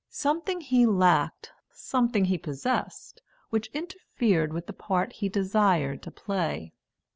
Something he lacked, something he possessed, which interfered with the part he desired to play.